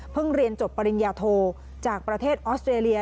เรียนจบปริญญาโทจากประเทศออสเตรเลีย